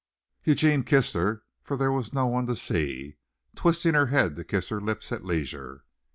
Eugene kissed her, for there was no one to see, twisting her head to kiss her lips at leisure.